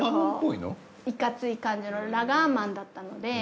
いかつい感じのラガーマンだったので。